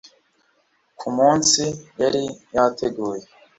ku munsi yari yateguye